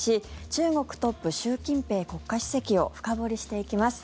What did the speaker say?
中国トップ、習近平国家主席を深掘りしていきます。